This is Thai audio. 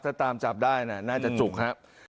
ถ้าตามจับได้น่าจะจุกครับ